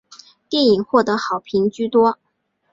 电影获得好评居多。